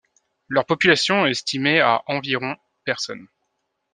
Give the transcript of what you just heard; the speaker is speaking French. Leur population est estimée à environ personnes.